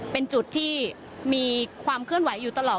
เป็นจุดที่มีความเคลื่อนไหวอยู่ตลอด